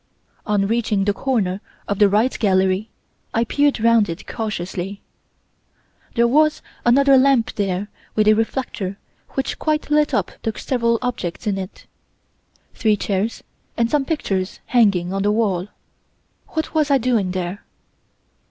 On reaching the corner of the 'right' gallery, I peered round it cautiously. There was another lamp there with a reflector which quite lit up the several objects in it, three chairs and some pictures hanging on the wall. What was I doing there?